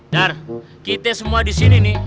dar kita semua disini nih